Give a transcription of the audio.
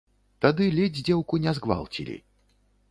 Тады ледзь дзеўку не згвалцілі.